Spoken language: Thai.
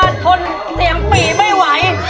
ทนเสียงปี่ไม่ไหว